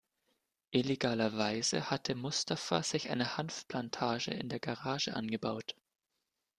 Illegalerweise hatte Mustafa sich eine Hanfplantage in der Garage angebaut.